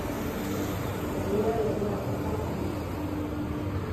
Venía de una rica familia.